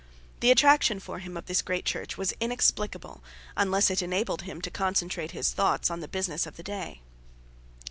The attraction for him of this great church was inexplicable, unless it enabled him to concentrate his thoughts on the business of the day.